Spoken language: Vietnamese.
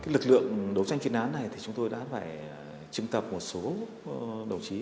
lực lượng đấu tranh chuyên án này thì chúng tôi đã phải chứng tập một số đồng chí